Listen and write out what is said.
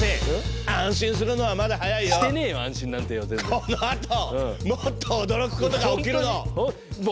このあともっと驚くことが起きるの！